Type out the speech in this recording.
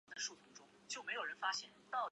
之后升任一级上将。